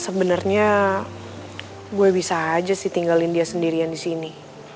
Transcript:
sebenernya gue bisa aja sih tinggalin dia sendirian disini